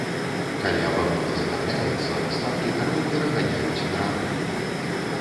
Калі абалона затапляецца, статкі кароў пераганяюць на раўніны.